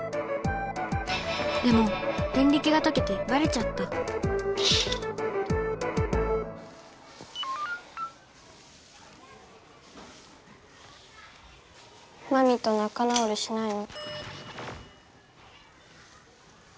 でもデンリキがとけてバレちゃったまみと仲直りしないの？